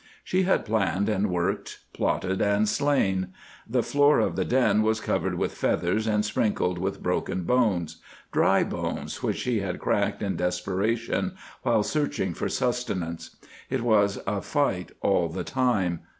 She had planned and worked, plotted and slain. The floor of the den was covered with feathers and sprinkled with broken bones—dry bones which she had cracked in desperation while searching for sustenance. It was a fight all the time.